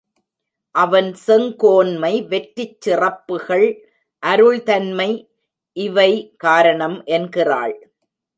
அவன் செங்கோன்மை, வெற்றிச் சிறப்புகள், அருள் தன்மை இவை காரணம் என்கிறாள்.